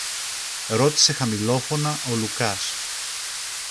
ρώτησε χαμηλόφωνα ο Λουκάς.